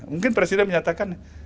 mungkin presiden menyatakan